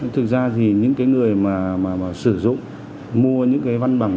thực ra thì những người sử dụng mua những văn bằng